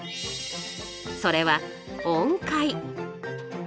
それは音階。